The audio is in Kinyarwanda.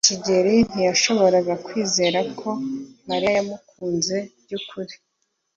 Kigeri ntiyashoboraga kwizera ko Mariya yamukunze by'ukuri.